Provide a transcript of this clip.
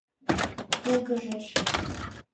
Йылгыжеш.